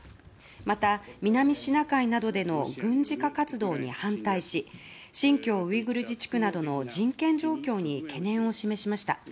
また、南シナ海などでの軍事化活動に反対し新疆ウイグル自治区などの人権状況に懸念を示しました。